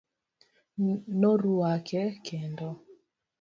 Noruake kendo.